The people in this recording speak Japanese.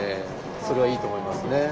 それはいいと思いますね。